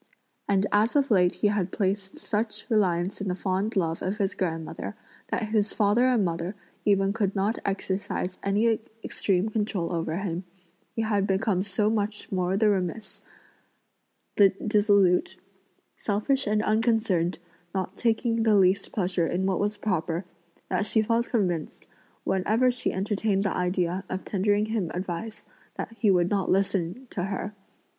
And as of late he had placed such reliance in the fond love of his grandmother that his father and mother even could not exercise any extreme control over him, he had become so much the more remiss, dissolute, selfish and unconcerned, not taking the least pleasure in what was proper, that she felt convinced, whenever she entertained the idea of tendering him advice, that he would not listen to her.